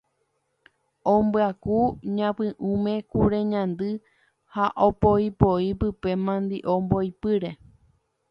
Ombyaku ñapy'ῦme kure ñandy ha opoipoi pype mandi'o mbo'ipyre.